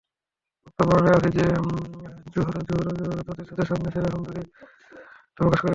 উক্ত বর্ণনায় আছে যে, যুহরা তাদের সামনে সেরা সুন্দরী রমণীরূপে আত্মপ্রকাশ করেছিল।